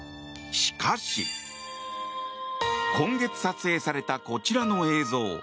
しかし今月撮影されたこちらの映像。